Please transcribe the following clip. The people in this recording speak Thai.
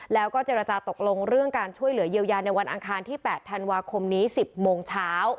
แล้วก็เจรจาตกลงเรื่องการช่วยเหลือเยียวยาในวันอังคารที่๘ธันวาคมนี้๑๐โมงเช้า